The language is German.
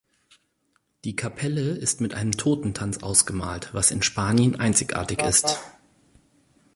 Die Kapelle ist mit einem Totentanz ausgemalt, was in Spanien einzigartig ist.